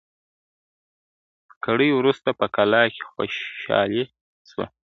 ګړی وروسته په کلا کي خوشالي سوه ..